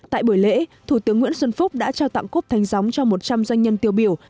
tại buổi lễ thủ tướng nguyễn xuân phúc đã trao tặng cúp thanh gióng cho một trăm linh doanh nhân tiêu biểu